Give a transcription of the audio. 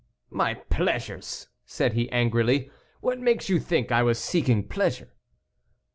"My pleasures!" said he, angrily; "what makes you think I was seeking pleasure?"